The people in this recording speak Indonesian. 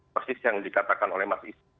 persis yang dikatakan oleh mas is